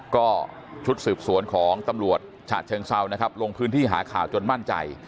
ก็ชุดสืบสวนของตำรวจฉะเชิงเซานะครับลงพื้นที่หาข่าวจนมั่นใจ